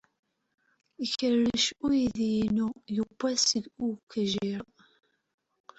Ikerrec uydi-inu Yuba seg uqejjir.